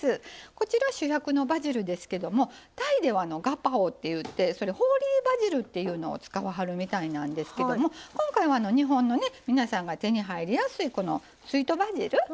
こちら主役のバジルですけどもタイではガパオっていってそれホーリーバジルというのを使わはるみたいなんですけども今回は日本の皆さんが手に入りやすいスイートバジル。